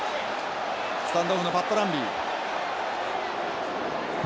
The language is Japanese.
スタンドオフのパットランビー。